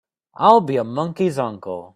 I'll be a monkey's uncle!